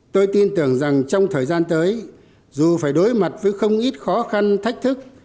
tôi tin tưởng rằng trong thời gian tới dù phải đối mặt với không ít khó khăn thách thức